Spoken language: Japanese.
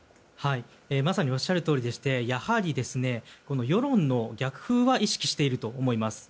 まさにおっしゃるとおりでしてやはり世論の逆風は意識していると思います。